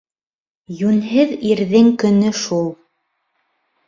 Йүнһеҙ ирҙең көнө шул.